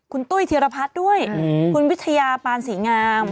คุณตุ้ยธีรพัฒน์ด้วยคุณวิทยาปานศรีงาม